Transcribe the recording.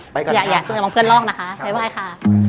ไปก่อนครับอย่าตื่นกับเพื่อนรอกนะคะไปค่ะ